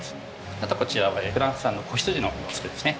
あとこちらはフランス産の子羊のローストですね。